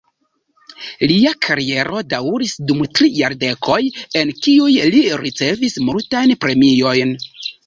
Lia kariero daŭris dum tri jardekoj, en kiuj li ricevis multajn premiojn.